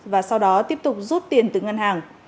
và sau đó tiếp tục rút tiền từ ngân hàng